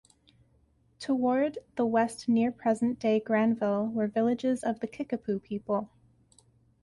Toward the west near present-day Granville were villages of the Kickapoo people.